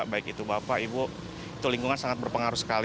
baik itu bapak ibu itu lingkungan sangat berpengaruh sekali